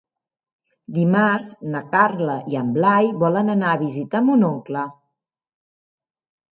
Dimarts na Carla i en Blai volen anar a visitar mon oncle.